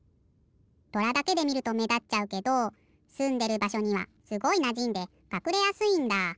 とらだけでみるとめだっちゃうけどすんでるばしょにはすごいなじんでかくれやすいんだ。